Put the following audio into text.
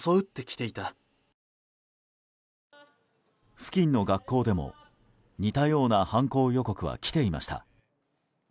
付近の学校でも似たような犯行予告は来ていました。